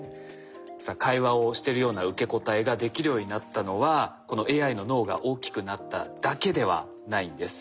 さあ会話をしてるような受け答えができるようになったのはこのＡＩの脳が大きくなっただけではないんです。